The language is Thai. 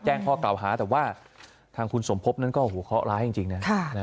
แจ้งข้อกล่าวหาแต่ว่าทางคุณสมพบนั้นก็หัวเคาะร้ายจริงนะ